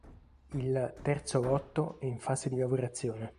Il "Terzo Lotto" è in fase di lavorazione.